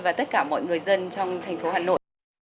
và tất cả mọi người dân trong thành phố hà nội